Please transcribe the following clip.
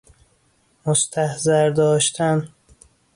مستحضر داشتن